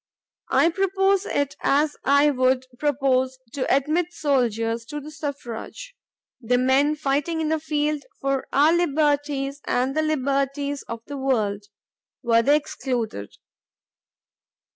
I propose it as I would propose to admit soldiers to the suffrage, the men fighting in the field for our liberties and the liberties of the world, were they excluded.